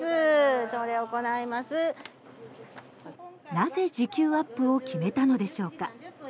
なぜ、時給アップを決めたのでしょうか。